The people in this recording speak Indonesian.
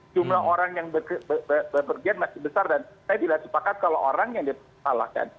jumlah orang yang berpergian masih besar dan saya tidak sepakat kalau orang yang disalahkan